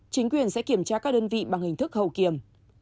chính quyền sẽ kiểm tra các đơn vị bằng hình thức hậu kiểm